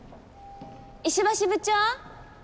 石橋部長！